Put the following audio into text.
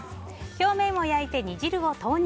表面を焼いて煮汁を投入。